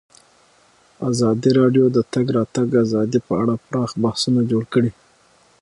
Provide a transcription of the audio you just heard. ازادي راډیو د د تګ راتګ ازادي په اړه پراخ بحثونه جوړ کړي.